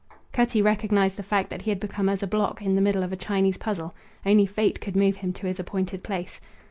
Cutty recognized the fact that he had become as a block in the middle of a Chinese puzzle; only Fate could move him to his appointed place.